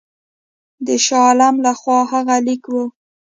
د شاه عالم له خوا هغه لیک وو.